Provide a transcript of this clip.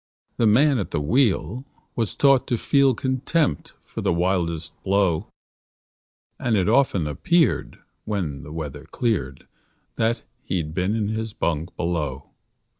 The man at the wheel was taught to feel Contempt for the wildest blow, And it often appeared, when the weather had cleared, That he'd been in his bunk below.